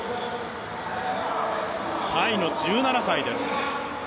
タイの１７歳です。